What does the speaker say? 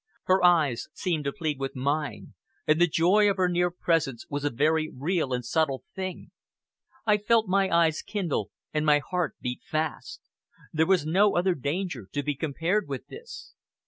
Her eyes seemed to plead with mine, and the joy of her near presence was a very real and subtle thing. I felt my eyes kindle and my heart beat fast. There was no other danger to be compared with this.